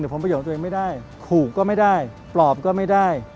ผลประโยชน์ตัวเองไม่ได้ขู่ก็ไม่ได้ปลอบก็ไม่ได้